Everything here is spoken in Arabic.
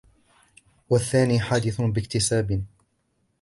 وَالثَّانِي حَادِثٌ بِاكْتِسَابٍ